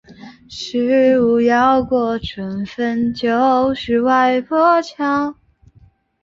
特奥兰迪亚是巴西巴伊亚州的一个市镇。